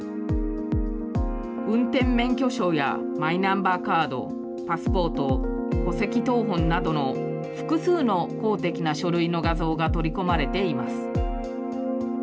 運転免許証やマイナンバーカード、パスポート、戸籍謄本などの複数の公的な書類の画像が取り込まれています。